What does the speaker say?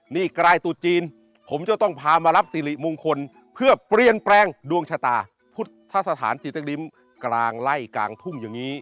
นี่กลายตุจีนผมจะต้องพามารับสิริมงคลเพื่อเปลี่ยนแปลงดวงชะตาพุทธสถานจิตริมกลางไล่กลางทุ่งอย่างนี้